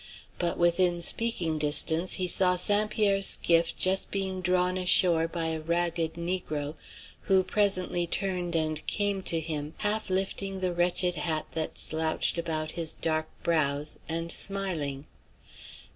But within speaking distance he saw St. Pierre's skiff just being drawn ashore by a ragged negro, who presently turned and came to him, half lifting the wretched hat that slouched about his dark brows, and smiling.